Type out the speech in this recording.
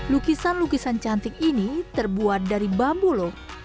lukisan lukisan cantik ini terbuat dari bambu loh